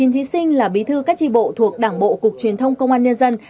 một mươi thí sinh là bí thư các tri bộ thuộc đảng bộ cục truyền thông công an nhân dân